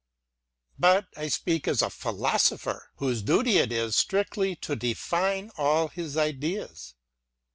But I speak as a philosopher, whose duty it is strictly to define all his ideas.